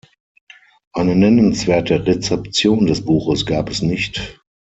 Eine nennenswerte Rezeption des Buches gab es nicht.